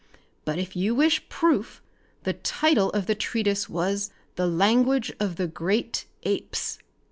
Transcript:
But if you wish proof the title of the treatise was 'The Language of the Great Apes.'"